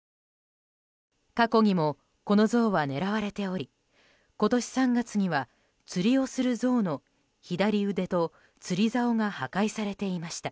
過去にもこの像は狙われており今年３月には釣りをする像の、左腕と釣り竿が破壊されていました。